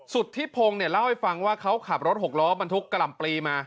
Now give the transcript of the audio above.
สุธิพงศ์เนี่ยเล่าให้ฟังว่าเขาขับรถหกล้อบรรทุกกะหล่ำปลีมา